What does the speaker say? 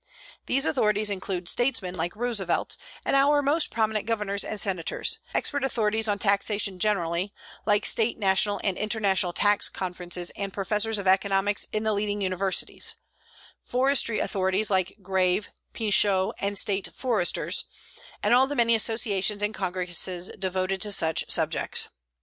These authorities include statesmen like Roosevelt and our most prominent governors and senators; expert authorities on taxation generally, like state, national, and international tax conferences and professors of economics in the leading universities; forestry authorities like Graves, Pinchot and State foresters; and all the many associations and congresses devoted to such subjects.